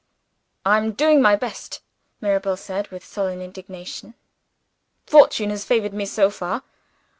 "I am doing my best," Mirabel said, with sullen resignation. "Fortune has favored me so far.